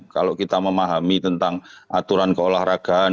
kalau kita memahami tentang aturan keolahragaan